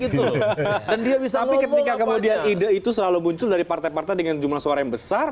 tapi ketika kemudian ide itu selalu muncul dari partai partai dengan jumlah suara yang besar